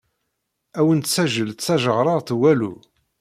Awen tsajelt d tazejṛaṛt walu.